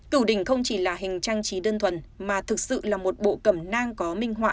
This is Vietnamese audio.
cửu đỉnh không chỉ là hình trang trí đơn thuần mà thực sự là một bộ cẩm nang có minh họa